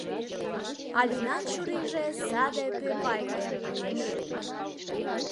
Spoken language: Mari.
Алинан чурийже саде пӧпай гаяк коеш.